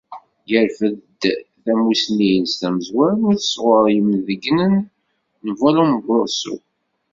Irfed-d tamussni-ines tamezwarut sɣur yimdeyynen n Vallombroso.